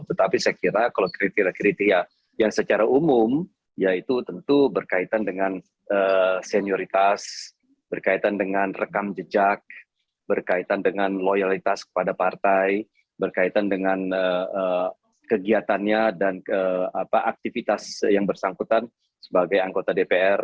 tetapi saya kira kalau kriteria kriteria yang secara umum yaitu tentu berkaitan dengan senioritas berkaitan dengan rekam jejak berkaitan dengan loyalitas kepada partai berkaitan dengan kegiatannya dan aktivitas yang bersangkutan sebagai anggota dpr